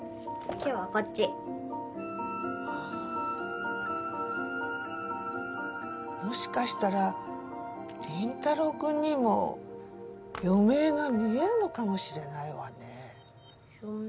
今日はこっちもしかしたら林太郎君にも余命が見えるのかもしれないわねぇ